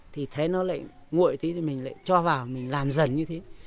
thì thấy nó lại nguội tí thì mình lại cho vào mình làm dần như thế